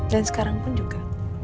dan sekarang pun juga